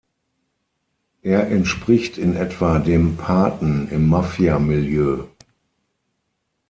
Er entspricht in etwa dem „Paten“ im Mafia-Milieu.